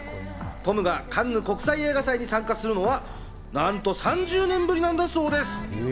トムがカンヌ国際映画祭に参加するのは何と３０年ぶりなんだそうです。